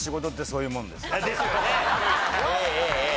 そういうもんですよね。